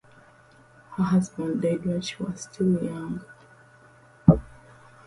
Her husband died when she was still young.